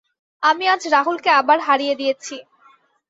আমি আজ রাহুলকে আবার হারিয়ে দিয়েছি।